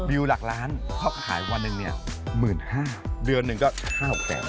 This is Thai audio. วิวหลักล้านเขาก็ขายวันหนึ่งเนี่ย๑๕๐๐เดือนหนึ่งก็๕๖แสน